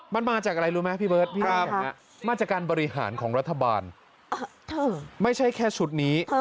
มันมาจากอะไรรู้ไหมพี่เบิร์ดพี่น้ำแข็งมาจากการบริหารของรัฐบาลไม่ใช่แค่ชุดนี้